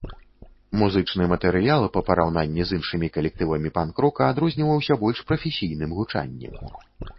Музычны матэрыял па параўнанні з іншымі калектывамі панк-рока адрозніваўся больш прафесійным гучаннем.